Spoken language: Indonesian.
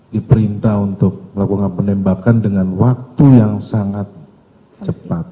diperintah untuk melakukan penembakan dengan waktu yang sangat cepat